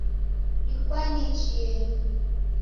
Dikwane chienyi